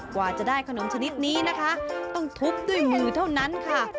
กว่าจะได้ขนมชนิดนี้นะคะต้องทุบด้วยมือเท่านั้นค่ะ